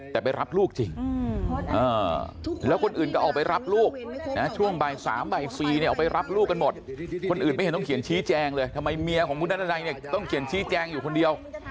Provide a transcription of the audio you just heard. แต่ไปรับลูกจริงแล้วคนอื่นก็ออกไปรับลูกนะช่วงบ่าย๓บ่าย๔เนี่ยออกไปรับลูกกันหมดคนอื่นไม่เห็นต้องเขียนชี้แจงเลยทำไมเมียของคุณนัทดันัยเนี่ยต้องเขียนชี้แจงอยู่คนเดียว